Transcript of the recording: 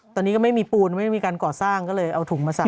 ตอนนี้ก็ไม่มีปูนไม่มีการก่อสร้างก็เลยเอาถุงมาใส่